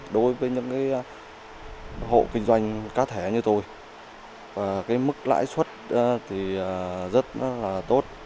đối với những hộ kinh doanh cá thẻ như tôi mức lãi suất rất tốt